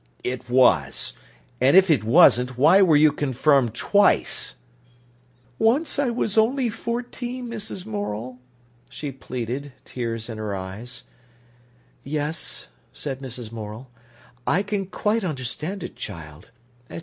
"It was! And if it wasn't why were you confirmed twice?" "Once I was only fourteen, Mrs. Morel," she pleaded, tears in her eyes. "Yes," said Mrs. Morel; "I can quite understand it, child.